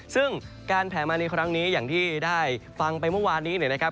ซึ่งการแผลมาในครั้งนี้อย่างที่ได้ฟังไปเมื่อวานนี้เนี่ยนะครับ